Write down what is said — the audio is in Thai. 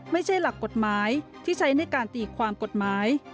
ไม่ใช่หลักกฎหมายที่ใช้ในการตีความกฎหมาย